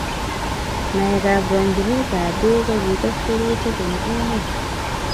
naeekab rongkinetab beekko kites rurutik en emee